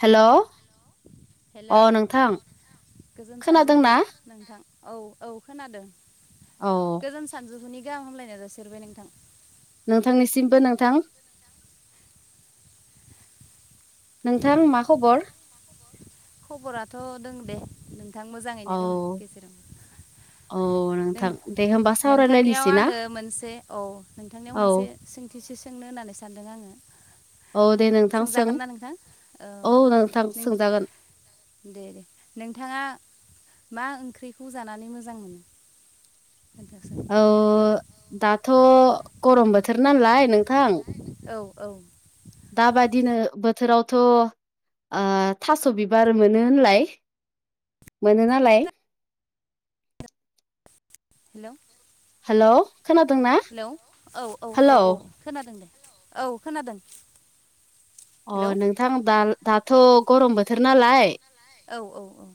हेल' अ हेलौ नोंथां गोजोन सानजौफु खोनादोंना? नोंथां औ औ खोनादों औ गोजोन सानजौफुनि गाहाम हामलायनाय जासिहरबाय नोंथां। नोंथांनिसिमबो नोंथां। नोंथां मा खबर? खबराथ' दङ दे नोंथां मोजाङैनो औ दोङो गेजेराव। औ नों नोंथां दे होमबा नोंथांनियाव सावरायलायनोसै ना आङो मोनसे औ नोंथांनियाव औ मोनसें सोंथि सो सोंनो होननानै सानदों आङो? औ दे नोंथां सों सोंजागोन ना नोंथां औ नोंथां नों सोंजागोन। दे दे नोंथाङा मा ओंख्रिखौ जानानै मोजां मोनो? खोन्थानोसै औ आं। दाथ' गरम बोथोर नालाय नों नालाय औ औ दाबादिनो बोथोरावथ' ओ थास' बिबार मोनो होनलाय, मोनो नालाय हेल' हेल' खोनादोंना हेलौ औ औ हेल' औ औ खोनादों दे औ खोनादों। अ हेलौ नोंथां दा दाथ' गरम बोथोर नालाय औ औ औ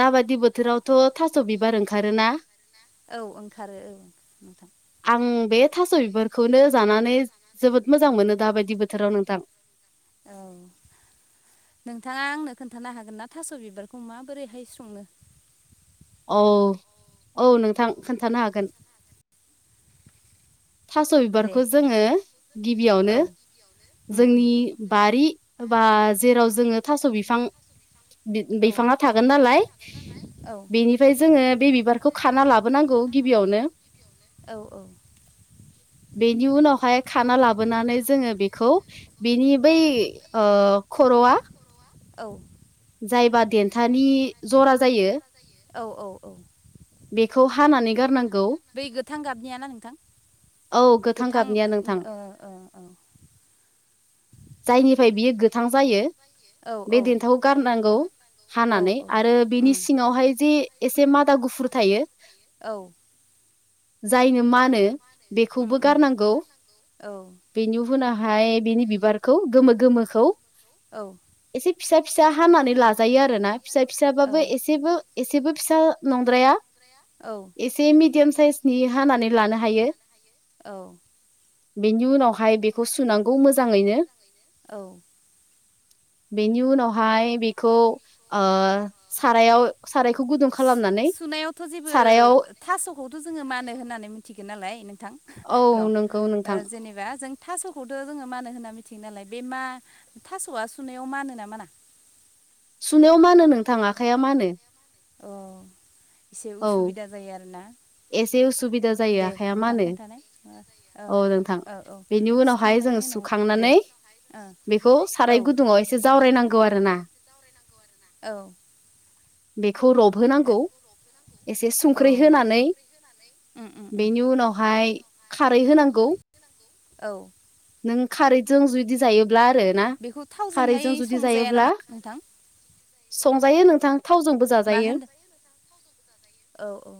दाबादि बोथोरावथ' थास' बिबार ओंखारोना औ ओंखारो औ नोंथां। ओं बे थास' बिबारखौनो जानानै जोबोद मोजां मोनो दाबायदि बोथोराव नोंथां औ नोंथाङा आंनो खोन्थानो हागोन ना थास' बिबारखौ माबोरैहाय संनो औ औ नोंथां खोन्थानो हागोन थास' दे बिबारखौ जोङो गिबियावनो औ उम उम जोंनि बारि बा जेराव जोङो थास' बिफां औ बिफाङा थागोन नालाय औ बेनिफ्राय जोङो बे बिबारखौ खाना लाबोनांगौ गिबियावनो औ औ बेनि उनावहाय खाना लाबोनानै जोङो बेखौ बिनि बै ओ खर औवा औ जायबा देन्थानि जरा जायो औ औ औ बेखौ हानानै गारनां बै गोथां गाबनियाना नोंथां औ गोथां गाबनिया नोंथां ओ ओ औ जायनिफ्राय बियो गोथां जायो ओ औ बे देन्थाखौ गारनांगौ औ हानानै आरो बेनि सिङावहाय जे एसे मादा गुफुर थायो औ जायनो मानो उम बेखौबो उम गारनांगौ औ बेनि उनावहाय बिनि बिबारखौ गोमो गोमोखौ औ एसे फिसा फिसा हानानै लाजायो आरोना फिसा फिसाबाबो एसेबो एसेबो फिसा नंद्राया एसे मिेडियाम साइसनि हानानै लानो हायो औ बेनि उनावहाय बेखौ सुनांगौ मोजाङैनो औ बेनि उनावहाय बेखौ सारायाव सारायखौ खौ गुदुं खालामनानै सारायाव खौथ' जोङो मानो होननानै मिथिगोन नालाय नोंथां औ र' नोंगौ नोंथां जेनेबा जों थास'खौथ' जोङो मानो होनना मिथियो नालाय बे मा थास'आ सुनायाव मानो ना माना सुनायाव मानो नोंथां आखाइया मानो अ एसे उसुबिदा जायो आरोना एसे उसुबिदा जायो दे आखाइया नोंथां मानो खोन्थानाय औ नोंथां औ औ बेनि उनावहाय सुखांनायनि जोङो उनाव दे सुखांनानै औ बेखौ औ साराय गुदुङाव एसे जावरायनांगौ आरोना औ बेखौ रबहोनांगौ एसे औ संख्रै होनानै उम उम उम बेनि उनाव -हाय खारै होनांगौ औ नों खारैजों जुदि जायो ब्ला आरो ना बेखौ थावजोंहाय खारैजों जुदि संजाया जायोब्ला नामा नोंथां संजायो नोंथां थावजोंबो मा जाजायो होनदों औ औ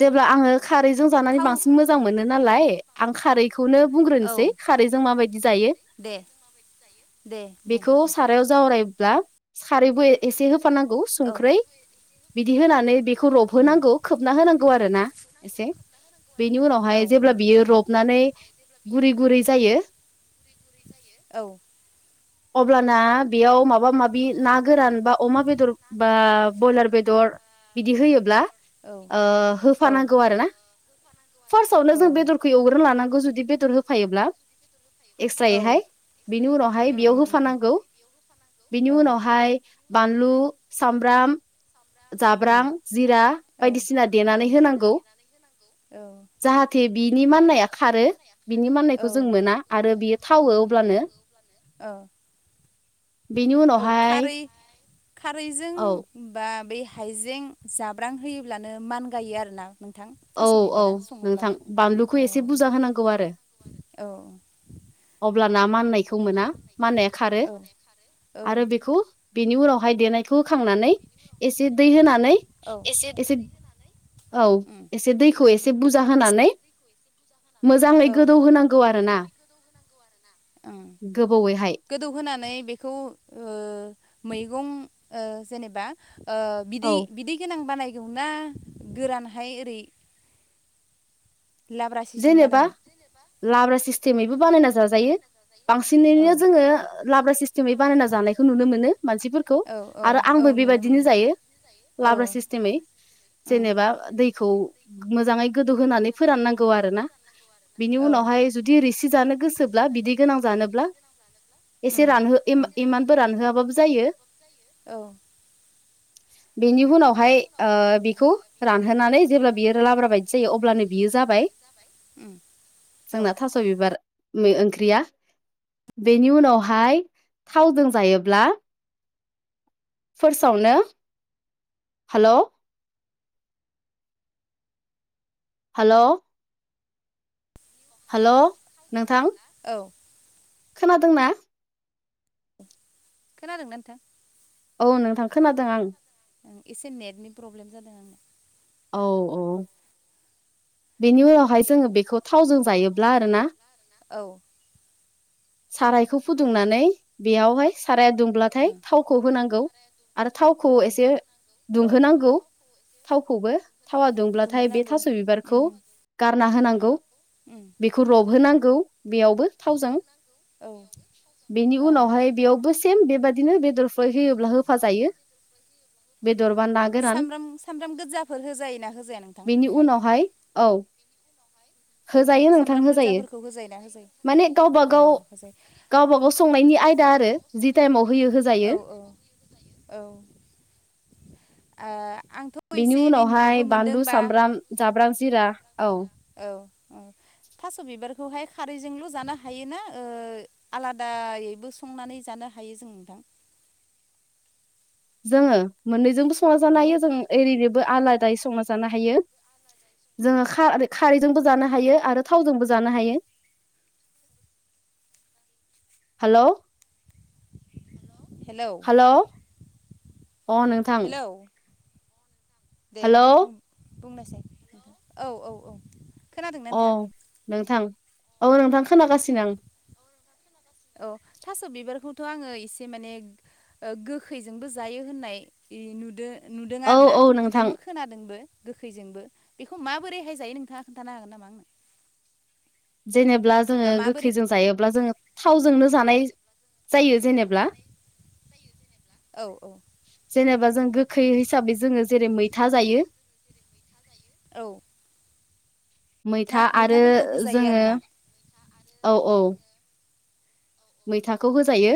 जेब्ला आङो खारैजों जानानै थाव बांसिन मोजां मोनो नालाय आं खारै बे खौनो औ बुंग्रोनोसै खारैजों माबायदि जायो दे दे बुं बेखौ सारायाव जावराय ब्ला सारबो एसे होफानांगौ औ संख्रै बिदि होनानै बेखौ उम रबहोनांगौ खोबना होनांगौ आरो ना एसे। बेनि औ उनावहाय औ जेब्ला बियो उम रबनानै गुरै गुरै जायो। औ। अब्लाना बेयाव माबा माबा माबि ना गोरान बा अमा बेदर बा ब्रयलार बेदर बिदि होयोब्ला औ औ होफानांगौ आरो ना फार्स्टआवनो औ जों बेदरखौ एवग्रोन लानांगौ जुदि बेदर होफायोब्ला औ एक्स्रायैहाय बिनि उनावहाय उम उम बेयाव उम उम होफानांगौ बिनि औ उनावहाय बानलु सामब्राम उम जाब्रां जिरा औ बायदिसिना देनानै होनांगौ औ। जाहाथे बिनि माननाया खारो बिनि औ माननायखौ जों मोना आरो बियो थावो अब्लानो औ। बेनि उनावहाय खारैजों औ बा बे हाइजें जाब्रां होयोब्लानो मान गायो आरोना नोंथां औ थास' औ बिबारा सङोब्लाबो नोंथां औ बानलुखौ एसे बुरजा होनांगौ आरो। औ। ना मनायखौ मोना मनाय खारो औ आरो बेखौनि उनावहाय दे होखांनानै एसे दै होनानै औ एसे औ। उम एसे दैखौ एसे बुरजा होनानै मोजाङै औ गोदौ होनांगौ आरोना ओं गोबौैहाय गोदौहोनानै बेखौ मैगं जेनेबा ओ औ बिदै बिदै गोनां बानाय गोरानहाय ओरै लाब्रा सिस्टेम जेनेबा बानायगोन लाब्रा सिस्टेमैबो बानायना जाजायो। औ बांसिनैनो जोङो लाब्रा सिस्टेमै बानायना जानायखौ नुनो मोनो मानसिफोरखौ औ औ आरो औ आंबो नुनो बेबायदिनो मोनो जायो औ लाब्रा सिस्टेमै उम जेनेबा दै खौ मोजाङै गोदौ होनानै फोराननांगौ आरोना बिनि औ उनावहाय जुदि जानो गोसोब्ला बिदि गोनां जानोब्ला [unintelligible] इसे उम रानहो औ इम इम इमानबो रानहो जायो। औ। बेनि उनावहाय ओ बेखौ रानहोनानै जेब्ला बियो लाब्रा बायदि जायो अब्लानो बियो जाबाय। उम औ जोंना थास' बिबार ओंख्रिया बेनि उनावहाय थावजों जायोब्ला फ्सास आवनो हेल' हेल'। हेल' नोंथां औ। खोनादोंना। खोनादोंना नोंथां। औ नोंथां खोनादों आं। एसे नेटनि प्रब्लेम जादों आंनो। औ औ। बेनि उनावहाय जोङो बेखौ थावजों जायोब्ला आरोना। औ। सारायखौ फुदुंनानै बेयावहाय साराया दुंब्लाथाय ओं थावखौ होनांगौ। आरो थावखौ औ एसे औ दुंहोनांगौ थावखौबो थावा दुंब्लाथाय बे दुंहोनांगौ थास बिबारखौ उम गारना होनांगौ। उम बेखौ रबहोनांगौ बेयावबो थावजों औ बेनि औ उनावहाय बेयावबो फिन बेबादिनो बेदरफोर होयोब्ला होफा जायो बे दरबा ना गोरान सामब्राम सामब्राम गोजाफोर होजायो ना होजाया नोंथां बेनि बेहाय उनावहाय औ [inaudible] होजायो नोंथां सामब्राम होजायो गोजाफोरखौ होजायोना होजाया माने गावबा औ गाव होजायो गावबा गाव संनायनि आयदा आरो जि टाइमाव होयो औ होजायो औ आ आंथ' बेनि एसे एनै नुनोबो उनावहाय मोनदों बानलु बा सामब्राम जाब्रां जिरा औ औ औ थास' बिबारखौहाय खारैजोंल' जानो हायोना ओ आलादायैबो संनानै जानो हायो जों नोंथां जोङो मोननैजोंबो संना जानो हेलौ हायो जों ओरैनोबो आलादायै संना जानो हायो जोङो खार-खारैजोंबो जानो हायो आरो थावजोंबो जानो हायो [inaudible] हेलौ हेलौ अ नोंथां हेलौ दे हेलौ बुं-बुंनायसाय औ औ औ खोनादोंना अ नोंथाङा नोंथां औ नोंथां खोनागासिनो आं औ थास' बिबारखौथ' आङो इसे माने ओ गोखैजोंबो जायो होननाय इ नुदो नुदों औ आरो ना औ नोंथां नुदोंबो खोनादोंबो गोखैजोंबो बेखौ माबोरैहाय जायो नोंथाङा खोन्थानो हागोन नामा आंनो जेनेब्ला जोङो बा माबोरै गोखैजों जायो ब्ला जोङो थावजोंनो जानाय जायो जेनेब्ला औ औ जेनेबा जों गोखै हिसाबै जोङो जेरै मैथा जायो औ मैथा आरो मैथाफोरखौ होजायो जोङो आरोना औ औ मैथाखौ होजायो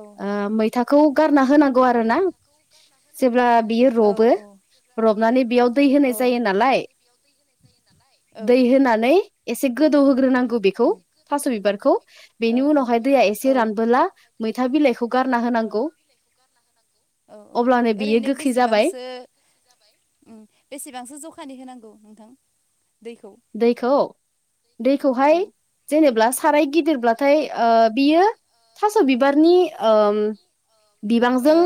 औ ओ मै थाखौ गारना होनांगौ आरो ना जेब्ला बियो औ र'बो रबनानै बेयाव दै होनाय जायो नालाय जायो नालाय दै होनानै एसे गोदौहोग्रोनांगौ बेखौ उम थास' बिबारखौ औ बेनि औ उनावहाय दैआ औ एसे रानबोला मैथा बिलाइखौ गारना औ होनांगौ औ औ अब्लानो बियो ओरैनो गोखै जाबाय बेसेबांसो उम बेसेबांसो जखानि होनांगौ नोंथां दैखौ दैखौ औ दैखौहाय ओ जेनेब्ला खाराय गिदिरब्लाथाय ओ बियो थास' बिबारनि ओम बिबांजों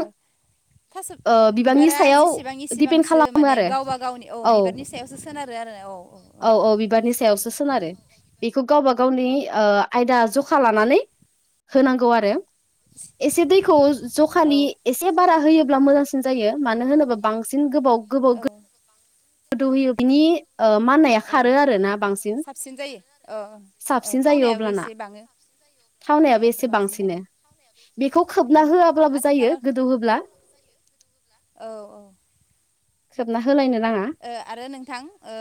थास' ओ बिबांनि बिबारा सायाव जेसेबां दिपेन्ड इसिबांसो खालामो माने आरो गावबा गावनि अ औ बिबारनि सायावसो सोनारो आरो औ औ औ अ बिबारनि सायावसो सोनारो नोंथां बेखौ गावबा गावनि ओ आयदा जखा लानानै होनांगौ आरो एसे दैखौ औ जखानि एसे बारा होयोब्ला मोजांसिन जायो मानो होनोबा बांसिन गोबाव गोबाव औ गोदौ होयो बिनि ओ माननाया औ खारो आरोना बांसिन साबसिन जायो औ ओ साबसिन जायो थावनायाबो अब्लाना एसे बाङो थावनायाबो एसे बांसिन बाङो बांसिनो बेखौ उम खोबना होआब्लाबो जायो आथिखालाव गोदौहोब्ला औ औ खोबना होलायनो नाङा। आरो नोंथां ओ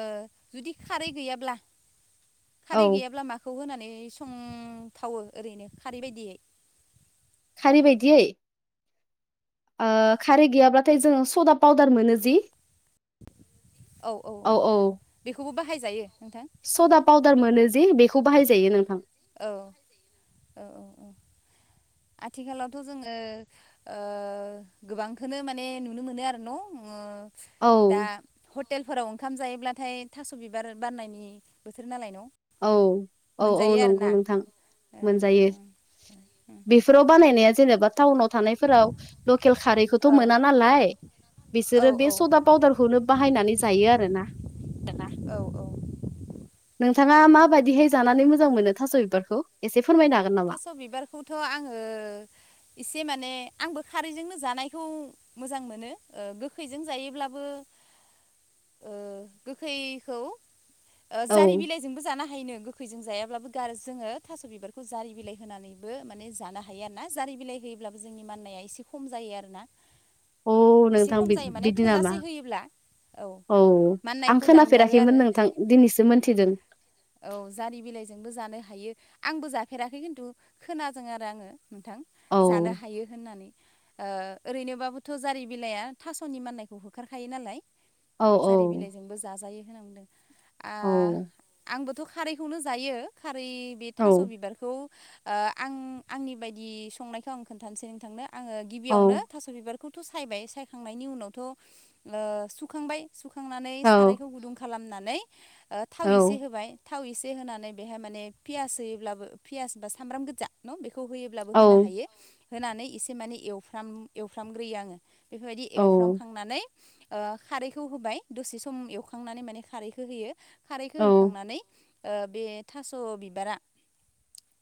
जुदि खारै गैयाब्ला औ खारै गैयाब्ला माखौ होनानै नानै संथावो ओरैनो खारै बायदियै? खारै बादियै? ओ खारै गैयाब्लाथाय जोङो सदा पाउदार मोनो जि। औ औ औ बेखौबो बाहायजायो। नोंथां सदा पाउदार मोनो जे बेखौ बाहायजायो नोंथां। औ ओ ओ ओ आथिखालावथ' जोङो ओ गोबांखौनो माने नुनो मोनो आरो न' ओ औ दा हटेलफोराव ओंखाम जायोब्लाथाय थास' बिबार बारनायनि बोथोर नालाय न' औ औ औ मोनजायो नंगौ आरोना नोंथां ओ मोनजायो। बे- फोराव बानायनाया जेनेबा टाउनाव थानायफोराव लकेल खारैखौथ' औ मोना नालाय औ बिसोरो बे औ सदा पाउदारखौनो बाहायनानै जायो आरो ना। औ औ नोंथाङा माबायदिहाय जानानै मोजां मोनो थास' बिबारखौ एसे फो- थास' बिबारखौथ' आङो एसे माने आंबो खारैजोंनो जानायखौ मोजां मोनो गोखैजों जायोब्लाबो ओ गोखैखौ ओ औ जारि बिलाइजोंबो जानो हायोनो गोखैजों जायाब्लाबो ग जोङो थास' बिबारखौ जोंङो जारि बिलाइ होनानैबो माने जानो हायो आरो ना जारि बिलाइ होयोब्लाबो जोंनि माननाया एसे खम जायो आरो ना। औ एसे नोंथां खम जायो माने बिदि नामा थोजासे होयोब्ला। औ आं माननायखौ दानगारो खोनाफेराखैमोन आरो नोंथां दिनैसो मोनथिदों। औ जारि बिलाइजोंबो जानो हायो। आंबो जाफेराखै खिन्थु खोनादों आरो आङो नोंथां औ जानो हायो होननानै। ओ ओरैनोबाबोथ' जारि बिलाइया थास'नि माननायखौ होखारखायो नालाय। औ जारि बिलाइजोंबो जाजायो होनना बुंदों। आ औ आंबो- थ' खारैखौनो जायो खारै बे औ थास' बिबार- खौ‌ ओ आं-आंनि बायदि संनायखौ आं खोन्थानोसै नोंथांनो। आङो औ गिबियावनो थास' बिबारखौथ' सायबाय सायखांनायनि उनावथ' ओ सुखांबाय। सुखांनानै औ सारायखौ गुदुं खालामनानै थाव एसे औ होबाय। थाव इसे होनानै बेहाय माने पियास होयोब्लाबो पियास बा सामब्राम गोजा न' बेखौ खौ होयोब्लाबो औ होनो हायो होनानै एसे माने एवफ्राम एवफ्रामग्रोयो आङो। बेफोरबायदि औ एवफ्रामखांनानै ओ खारैखौ होबाय दसे सम एवखांनानै माने खारैखौ होयो। खारैखौ औ होखांनानै ओ बे थास' बिबारा।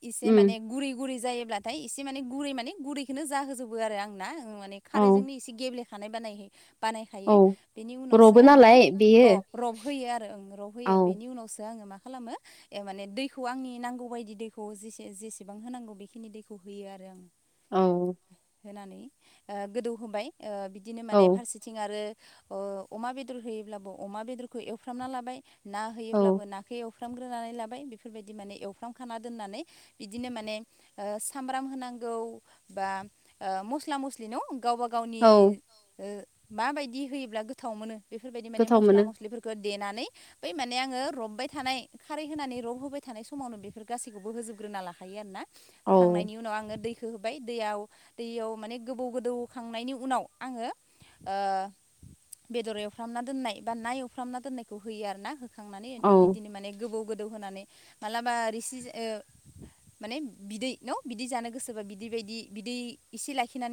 इसे उम माने गुरै गुरै जायोब्लाथाय एसे माने गुरै माने गुरैखौ जाहोजोबो आरो आं ना माने औ खारैजोंनो एसे गेब्लेखानाय बानायो बानायखायो औ बेनि उनावसो रबो आङो नालाय बेयो अ रब होयो आरो रब औ होयो बेनि उनावसो आङो माखासे खालामो ए माने दैखौ आंनि नांगौ बायदि दै- खौ जेसे जेसेबां होनांगौ बेखिनि दैखौ होयो आरो आं‌। औ‌‌ हो‌‌नानै गोदौहोबाय ओ बिदिनो माने औ फारसेथिं आरो अ अमा बेदर होयोब्लाबो अमा बेदरखौ एवफ्रामना लाबाय ना औ होयोब्लाबो नाखो एव एवफ्रामग्रोनानै लाबाय बेफोरबायदि माने एवफ्राम खाना दोन्नानै इदिनो माने ओ साम्ब्राम होनांगौ बा ओ मस्ला - मस्लि न' गावबा-गावनि औ ओ माबायदि होयोब्ला गोथाव मोनो। बेफोरबायदि माने गोथाव मस्ला मोनो मस्लिफोरखो देनानै बै माने आङो रबबाय थानाय खारै होनानै रब होबाय थानाय समावनो बेफोर गासैखौबो होजोबग्रोना लाखायो आरोना। औ होखांनायनि उनाव आङो दै खो होबाय दैयाव दैयाव माने गोबौ गोदौखांनायनि उनाव आङो ओ बेदर एवफ्रामना दोननाय बा ना एवफ्रामना दोननायखौ होयो आरो ना खांनानै औ बिदिनो माने गोबौ गोदौ होनानै मालाबा रिसि ए ओ माने बिदै न' बिदि जानो गोसोबा बिदै बायदि बिदै इसे लाखिनानै